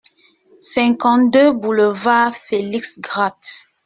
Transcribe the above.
cinquante-deux boulevard Félix Grat